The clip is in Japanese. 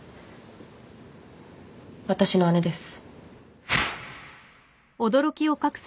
私の姉です。